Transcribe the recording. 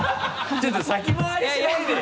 ちょっと先回りしないでよ。